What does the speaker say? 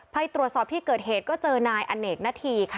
ไปตรวจสอบที่เกิดเหตุก็เจอนายอเนกนาธีค่ะ